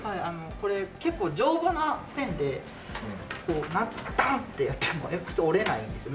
これ結構丈夫なペンでこうバンッとやっても鉛筆折れないんですよ。